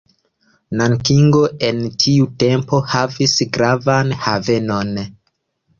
Nankingo en tiu tempo havis gravan havenon.